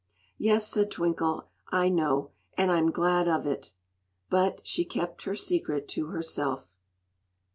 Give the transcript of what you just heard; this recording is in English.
"Yes," said Twinkle, "I know; and I'm glad of it!" But she kept her secret to herself.